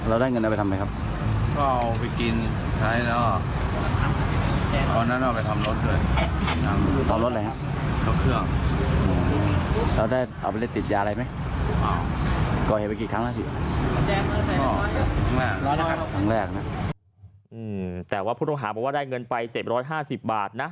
อืมก็พูดงามหาว่าได้เงินไปเจ็บร้อยห้าสิบบาทนะ